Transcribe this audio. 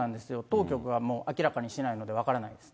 当局がもう明らかにしないので分からないです。